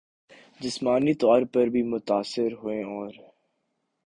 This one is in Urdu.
جسمانی طور پر بھی متاثر ہوئیں اور